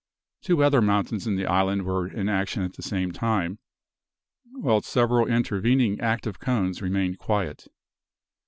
Two other mountains in the island were in action at the same time; while several intervening active cones remained quiet.